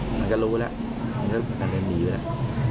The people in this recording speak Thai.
มันก็รู้แล้วมันก็แผ่นเรียนดีแล้ว